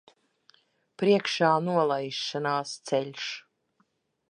Priekšā nolaišanās ceļš.